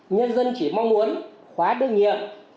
nhân dân chỉ mong muốn khóa đương nhiệm